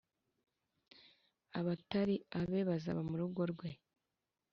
abatari abe bazaba mu rugo rwe,